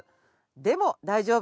でも大丈夫。